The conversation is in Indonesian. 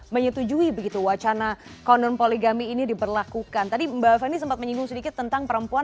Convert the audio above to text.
karena dia sampai menelantarkan anak anak dan perempuan